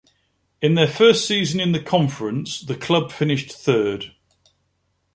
In their first season in the Conference the club finished third.